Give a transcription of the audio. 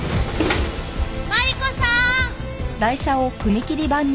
マリコさん！